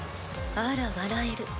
あら笑える。